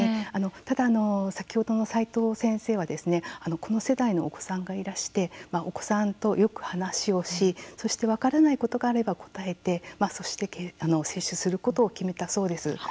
ただ、先ほどの齋藤先生はこの世代のお子さんがいらしてお子さんとよく話をし、そして分からないことがあれば答えてそして接種することを決めたそうです。